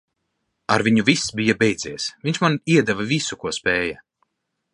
Ar viņu viss bija beidzies. Viņš man iedeva visu, ko spēja.